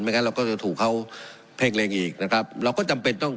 งั้นเราก็จะถูกเขาเพ่งเล็งอีกนะครับเราก็จำเป็นต้อง